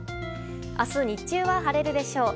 明日日中は晴れるでしょう。